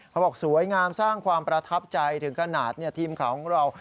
เขาบอกสวยงามสร้างความประทับใจถึงขนาดเนี่ยทีมเขาของเรา